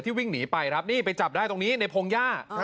ที่วิ่งหนีไปนี่ไปจับได้ตรงนี้ในพงศ์ย่า